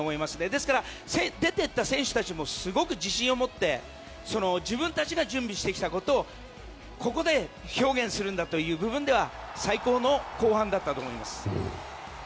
ですから出ていった選手たちもすごく自信を持って自分たちが準備してきたことをここで表現するんだという部分では最高の後半だったと思います。